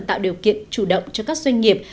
tạo điều kiện chủ động cho các doanh nghiệp